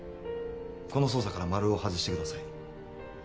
この捜査からマルオを外してください。